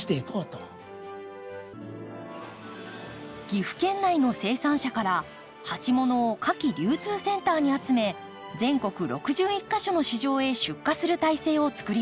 岐阜県内の生産者から鉢物を花き流通センターに集め全国６１か所の市場へ出荷する体制をつくりました。